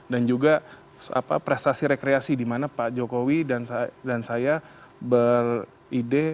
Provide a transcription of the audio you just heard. dan juga prestasi rekreasi di mana pak jokowi dan saya beride